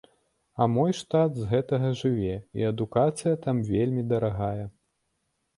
А мой штат з гэтага жыве, і адукацыя там вельмі дарагая.